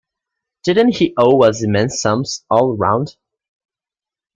Didn't he owe us immense sums, all round?